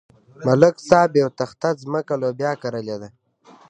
ملک صاحب یوه تخته ځمکه لوبیا کرلې ده.